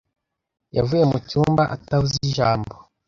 Yavuye mu cyumba atavuze ijambo.